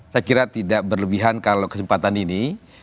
saya kira tidak berlebihan kalau kesempatan ini